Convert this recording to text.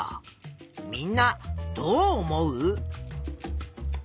みんなどう思う？